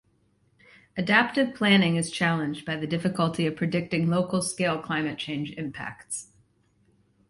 Adaptive planning is challenged by the difficulty of predicting local scale climate change impacts.